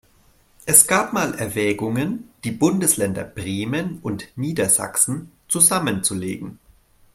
Es gab mal Erwägungen, die Bundesländer Bremen und Niedersachsen zusammenzulegen.